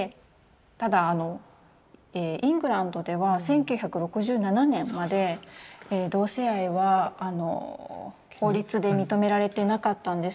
ただイングランドでは１９６７年まで同性愛は法律で認められてなかったんですね。